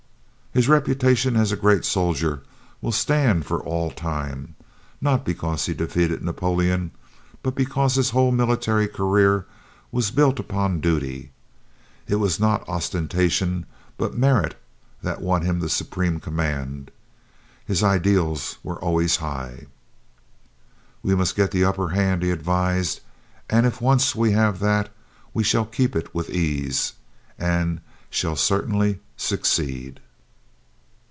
His reputation as a great soldier will stand for all time, not because he defeated Napoleon, but because his whole military career was built upon duty. It was not ostentation but merit, that won him the supreme command. His ideals were always high. "We must get the upper hand," he advised, "and if once we have that, we shall keep it with ease, and shall certainly succeed."